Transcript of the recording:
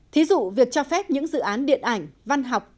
thí dụ việc cho phép những dự án điện ảnh văn học